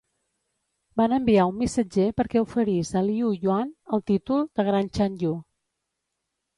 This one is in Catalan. Van enviar un missatger perquè oferís a Liu Yuann el títol de Gran Chanyu.